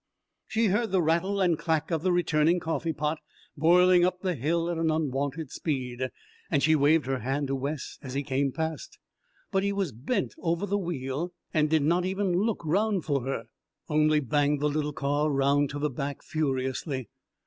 She heard the rattle and clack of the returning coffeepot, boiling up the hill at an unwonted speed. And she waved her hand to Wes as he came past; but he was bent over the wheel and did not even look round for her, only banged the little car round to the back furiously.